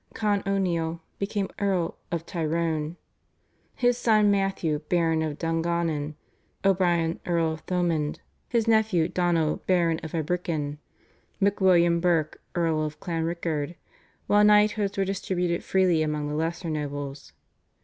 Con O'Neill became Earl of Tyrone, his son Matthew Baron of Dungannon, O'Brien Earl of Thomond, his nephew Donogh Baron of Ibricken, MacWilliam Burke Earl of Clanrickard, while knighthoods were distributed freely among the lesser nobles.